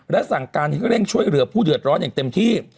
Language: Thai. และสั่งการให้เร่งช่วยเหลือผู้เดือดร้อนอย่างเต็มที่